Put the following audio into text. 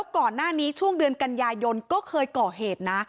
ก่อนหน้านี้ช่วงเดือนกันยายนก็เคยก่อเหตุนะ